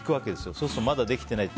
そうすると、まだできてないって。